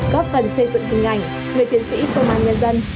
góp phần xây dựng hình ảnh người chiến sĩ công an nhân dân